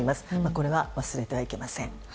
これは忘れてはいけません。